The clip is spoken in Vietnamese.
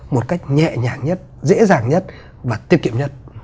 một cách nhẹ nhàng nhất dễ dàng nhất và tiết kiệm nhất